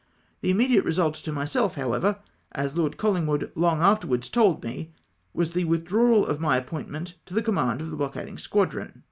The immediate result to myself, however — as Lord Colhngw^ood long afterwards told me — was the tvithdrawal of my appointment to the command of the blockading squadron